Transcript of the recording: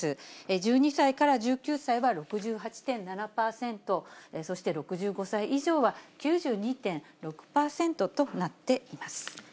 １２歳から１９歳は６８．７％、そして６５歳以上は９２．６％となっています。